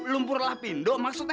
lumpur lapindo maksudnya